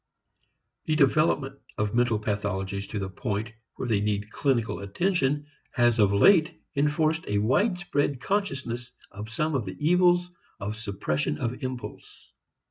The development of mental pathologies to the point where they need clinical attention has of late enforced a widespread consciousness of some of the evils of suppression of impulse.